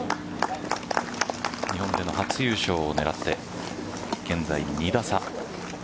日本での初優勝を狙って現在２打差。